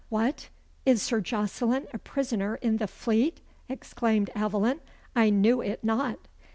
"What! Is Sir Jocelyn a prisoner in the Fleet?" exclaimed Aveline. "I knew it not!"